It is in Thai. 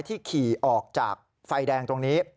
ที่ขี่ออกจากไฟแดงตรงนี้